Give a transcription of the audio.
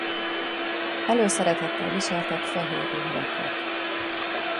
Előszeretettel viseltek fehér ruhákat.